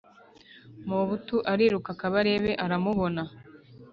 Mobutu aliruka kabarebe aramubona